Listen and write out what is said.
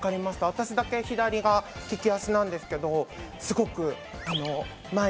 私だけ左が利き足なんですけどいいね。